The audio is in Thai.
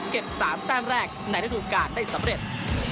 ๓แต้มแรกในฤดูกาลได้สำเร็จ